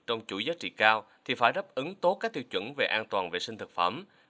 trong chuỗi giá trị cao thì phải đáp ứng tốt các tiêu chuẩn về an toàn vệ sinh thực phẩm